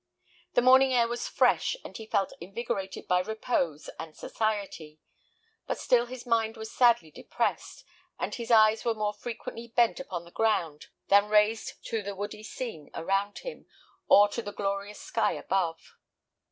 The morning air was fresh, and he felt invigorated by repose and society; but still his mind was sadly depressed, and his eyes were more frequently bent upon the ground than raised to the woody scene around him, or to the glorious sky above.